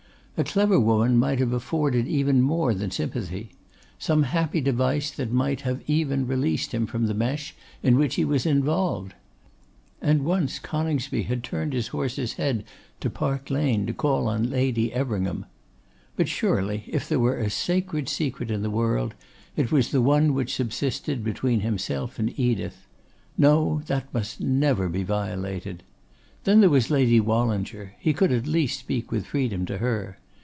A clever woman might have afforded even more than sympathy; some happy device that might have even released him from the mesh in which he was involved. And once Coningsby had turned his horse's head to Park Lane to call on Lady Everingham. But surely if there were a sacred secret in the world, it was the one which subsisted between himself and Edith. No, that must never be violated. Then there was Lady Wallinger; he could at least speak with freedom to her.